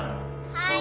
はい。